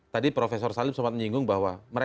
tadi profesor salim sempat menyinggung bahwa